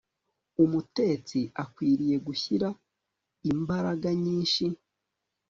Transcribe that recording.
Umutetsi akwiriye gushyira imbaraga nyinshi